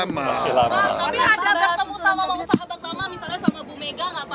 tapi ada bertemu sama mau sahabat lama misalnya sama bu mega nggak pak gitu pak